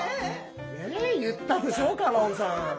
ねえ言ったでしょう香音さん。わ